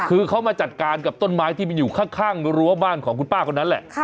คือเขามาจัดการกับต้นไม้ที่มันอยู่ข้างรั้วบ้านของคุณป้าคนนั้นแหละ